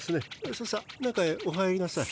ささ中へお入りなさい。